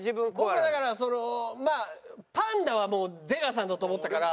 僕はだからそのまあパンダはもう出川さんだと思ったから。